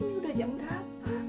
ini udah jam berapa